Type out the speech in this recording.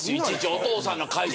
お父さんの解説。